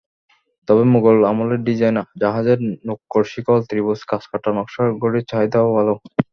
তবে মোগল আমলের ডিজাইন, জাহাজের নোঙর-শিকল, ত্রিভুজ, খাঁজকাটা নকশার ঘড়ির চাহিদাও ভালো।